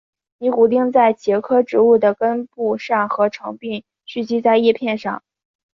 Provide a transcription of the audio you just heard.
尼古丁在茄科植物的根部上合成并蓄积在叶片上。